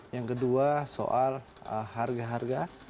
yang kedua soal harga harga